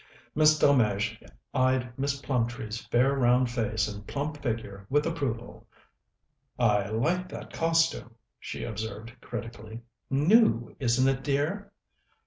Miss Delmege eyed Miss Plumtree's fair round face and plump figure with approval. "I like that costume," she observed critically. "New, isn't it, dear?"